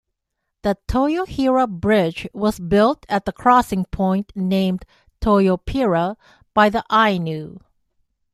The Toyohira Bridge was built at the crossing point named "Toyopira" by the Ainu.